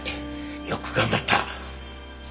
よく頑張った！